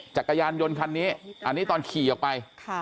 จักรยานยนต์คันนี้อันนี้ตอนขี่ออกไป